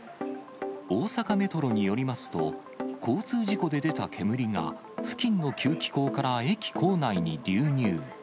大阪メトロによりますと、交通事故で出た煙が、付近の吸気口から駅構内に流入。